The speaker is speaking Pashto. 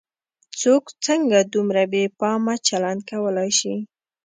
څوک څنګه دومره بې پامه چلن کولای شي.